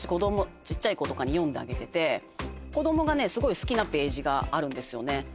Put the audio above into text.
ちっちゃい子とかに読んであげてて子どもがすごい好きなページがあるんですよね